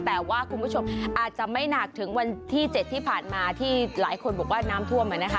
แต่ว่าคุณผู้ชมอาจจะไม่หนักถึงวันที่๗ที่ผ่านมาที่หลายคนบอกว่าน้ำท่วม